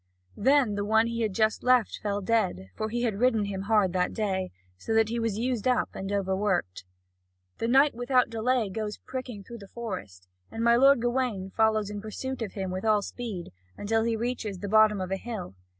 Then the one he had just left fell dead, for he had ridden him hard that day, so that he was used up and overworked. The knight without delay goes pricking through the forest, and my lord Gawain follows in pursuit of him with all speed, until he reaches the bottom of a hill.